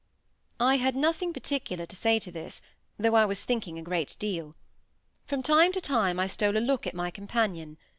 I had nothing particular to say to this, though I was thinking a great deal. From time to time I stole a look at my companion.